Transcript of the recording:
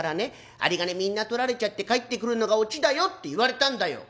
有り金みんな取られちゃって帰ってくるのがオチだよ』って言われたんだよ」。